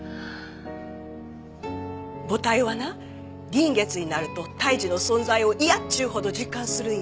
母体はな臨月になると胎児の存在を嫌っちゅうほど実感するんよ。